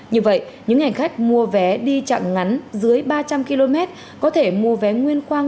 như vậy những hành khách mua vé đi chặng ngắn dưới ba trăm linh km có thể mua vé nguyên khoang